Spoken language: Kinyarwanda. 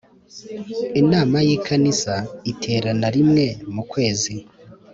Inama y I Kanisa iterana rimwe mu kwezi